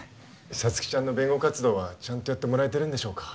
皐月ちゃんの弁護活動はちゃんとやってもらえてますか？